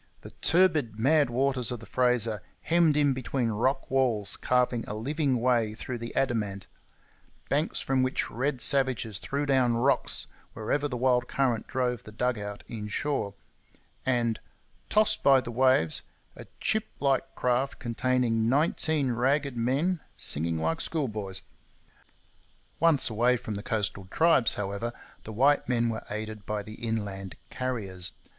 The turbid, mad waters of the Fraser hemmed in between rock walls, carving a living way through the adamant; banks from which red savages threw down rocks wherever the wild current drove the dug out inshore; and, tossed by the waves a chip like craft containing nineteen ragged men singing like schoolboys! Once away from the coastal tribes, however, the white men were aided by the inland Carriers.